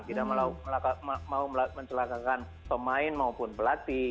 tidak mau mencelakakan pemain maupun pelatih